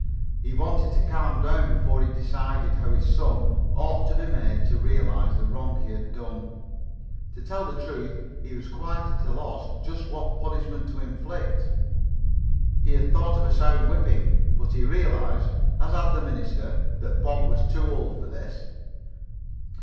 He wanted to calm down before he decided how his son ought to be made to realize the wrong he had done. To tell the truth, he was quite at a loss just what punishment to inflict. He had thought of a sound whipping, but he realized, as had the minister, that Bob was too old for this.